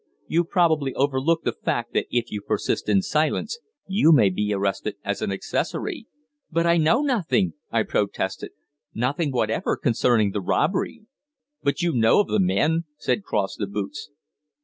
You probably overlook the fact that if you persist in silence you may be arrested as an accessory." "But I know nothing," I protested; "nothing whatever concerning the robbery!" "But you know one of the men," said Cross the boots.